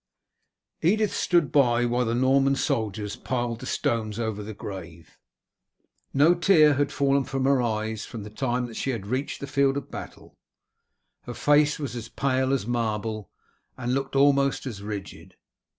Edith stood by while the Norman soldiers piled the stones over the grave. No tear had fallen from her eyes from the time that she had reached the field of battle. Her face was as pale as marble, and looked almost as rigid.